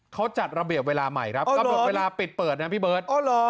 เขาจัดระเบียบเวลาใหม่ครับก็บอกเวลาปิดเปิดนะพี่เบิร์ดอ๋อเหรอ